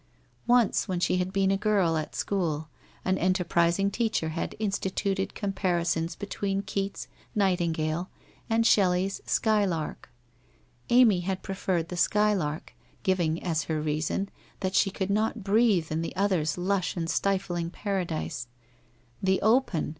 Once, when she had been a girl at school, an enterprising teacher had instituted comparisons between Keats ' Night ingale ' and Shelley's ' Skylark.' Amy had preferred the ' Skylark/ giving as her reason that she could not breathe in the other's lush and stifling paradise. The open!